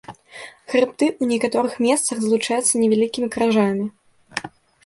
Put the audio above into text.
Хрыбты ў некаторых месцах злучаюцца невялікімі кражамі.